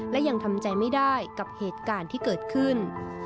และยังทำใจไม่ได้กับเหตุการณ์ที่เกิดขึ้น